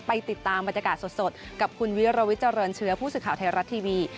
ติดตามบรรยากาศสดกับคุณวิรวิทเจริญเชื้อผู้สื่อข่าวไทยรัฐทีวี